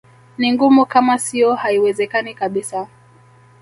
Ni ngumu kama sio haiwezekani kabisa